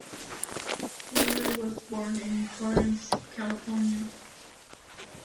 Taylor was born in Torrance, California.